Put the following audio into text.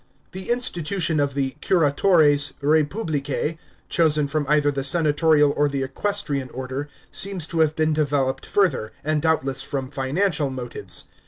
The institution of the curatores reipublicse, chosen from either the senatorial or the equestrian order, seems to have been developed further, and doubtless from financial motives.